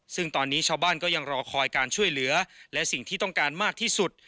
ซึ่งตอนนี้ชาวบ้านก็ยังรอคอยการช่วยเหลือและสิ่งที่ต้องการมากที่สุด